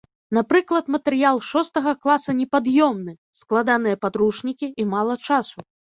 Напрыклад, матэрыял шостага класа непад'ёмны, складаныя падручнікі і мала часу.